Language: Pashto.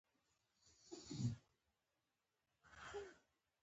خلکو به ویل پلانی سړی د مامدک پر پله ختلی دی.